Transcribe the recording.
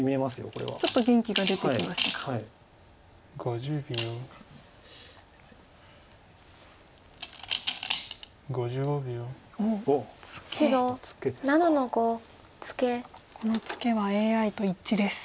このツケはＡＩと一致です。